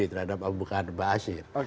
terhadap bukadabah asyir